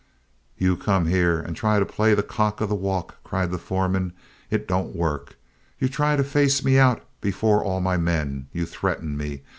"You come here and try to play the cock of the walk," cried the foreman. "It don't work. You try to face me out before all my men. You threaten me.